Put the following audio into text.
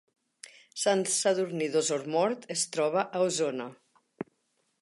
Sant Sadurní d’Osormort es troba a Osona